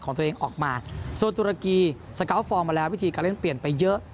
ของตัวเองออกมาส่วนตุรกีสกอล์ฟอร์มมาแล้ววิธีการเล่นเปลี่ยนไปเยอะ